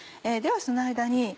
ではその間に。